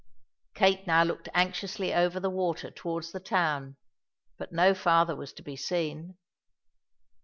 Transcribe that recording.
Kate now looked anxiously over the water towards the town, but no father was to be seen.